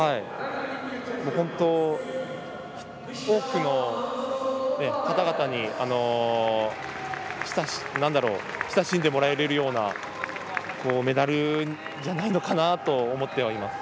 本当、多くの方々に親しんでもらえるようなメダルじゃないのかなと思ってはいます。